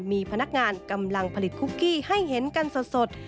มีพนักงานกำลังผลิตคุกกี้ให้เห็นกันสด